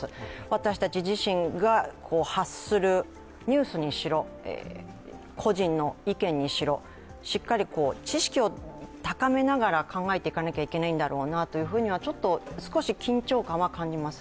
私たち自身が発するニュースにしろ、個人の意見にしろ、しっかり知識を高めながら考えていかなきゃいけないんだろうなとは、少し緊張感は感じます。